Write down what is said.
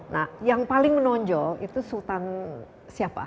nah yang paling menonjol itu sultan siapa